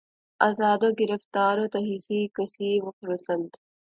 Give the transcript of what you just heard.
آزاد و گرفتار و تہی کیسہ و خورسند